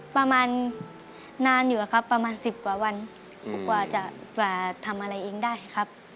ประมาณนานอยู่ครับประมาณสิบกว่าวันกว่าจะกว่าทำอะไรเองได้ครับ